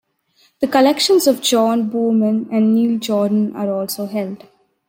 The collections of John Boorman and Neil Jordan are also held.